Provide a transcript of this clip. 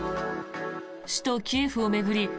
首都キエフを巡り